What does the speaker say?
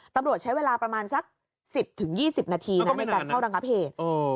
ตำรวจใช้เวลาประมาณสัก๑๐๒๐นาทีนะในการเข้าระงับเหตุ